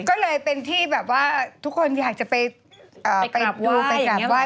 ก็เลยเป็นที่แบบว่าทุกคนอยากจะไปกราบไห้